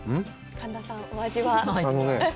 神田さん、お味は。